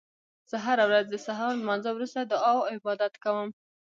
زه هره ورځ د سهار لمانځه وروسته دعا او عبادت کوم